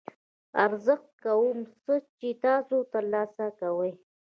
ارزښت کوم څه چې تاسو ترلاسه کوئ.